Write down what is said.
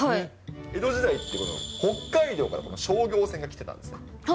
江戸時代って、北海道から商業船が来てたんですよ。